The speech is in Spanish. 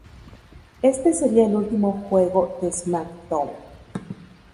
Éste sería el último juego de "SmackDown!